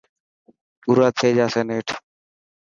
پورا ٿي جاسي نيٺ.